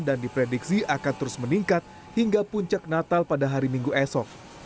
diprediksi akan terus meningkat hingga puncak natal pada hari minggu esok